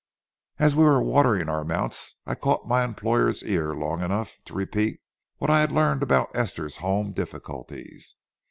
As we were watering our mounts, I caught my employer's ear long enough to repeat what I had learned about Esther's home difficulties.